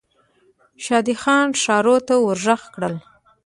شادي خان ښارو ته ور ږغ کړل.